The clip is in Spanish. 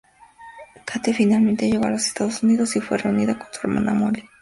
Kate finalmente llegó a los Estados Unidos y fue reunida con su hermana Mollie.